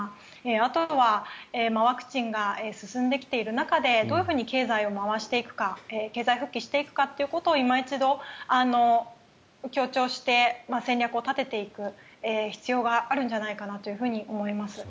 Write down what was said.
あとはワクチンが進んできている中でどういうふうに経済を回していくか経済復帰していくかということをいま一度強調して戦略を立てていく必要があるんじゃないかなと思います。